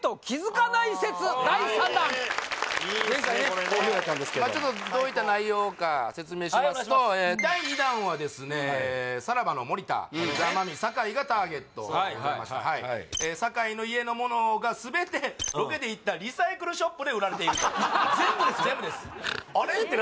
これねちょっとどういった内容か説明しますと第２弾はですねさらばの森田ザ・マミィ酒井がターゲットでございました酒井の家のものが全てロケで行ったリサイクルショップで売られていると全部ですよ